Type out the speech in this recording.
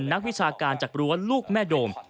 นักวิชาการจากรั้วลูกแม่โดม